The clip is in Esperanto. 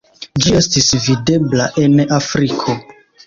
Ĝi estis videbla en Afriko.